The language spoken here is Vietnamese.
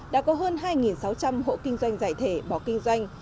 đã có hơn hai sáu trăm linh hộ kinh doanh giải thể bỏ kinh doanh